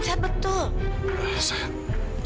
mas itu belum sihat betul